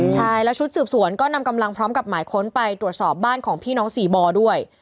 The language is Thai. ใช่แล้วชุดสืบสวนก็นำกำลังพร้อมกับหมายค้นไปตรวจสอบบ้านของพี่น้องสี่บ่อด้วย